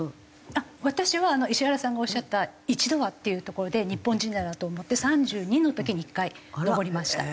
私は石原さんがおっしゃった「一度は」っていうところで日本人ならと思って３２の時に１回登りました。